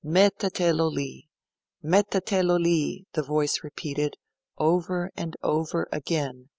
'Mettetelo li! Mettetelo li!' the voice repeated, over and over again.